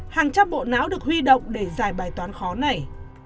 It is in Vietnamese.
hàng trăm bộ não được huy động để giải bài toán khó này